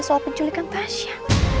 soal penculikan tasya